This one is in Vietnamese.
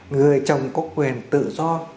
người chồng có quyền tự do